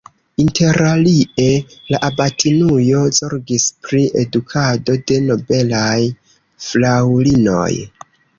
Interalie la abatinujo zorgis pri edukado de nobelaj fraŭlinoj.